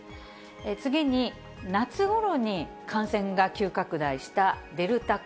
次に夏ごろに感染が急拡大したデルタ株。